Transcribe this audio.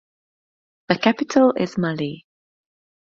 The capital is Mali.